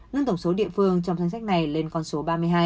nâng tổng số địa phương trong danh sách này lên con số ba mươi hai